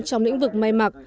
trong lĩnh vực may mặt